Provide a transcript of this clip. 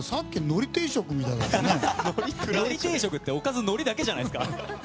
のり定食って、おかずのりだけじゃないですか。